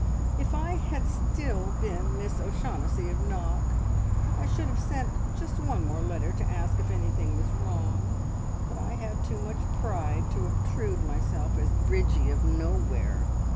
"If I had still been Miss O'Shaughnessy of Knock, I should have sent just one more letter to ask if anything was wrong, but I had too much pride to obtrude myself as Bridgie of nowhere.